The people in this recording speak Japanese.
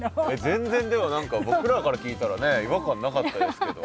全然でも何か僕らから聞いたら違和感なかったですけど。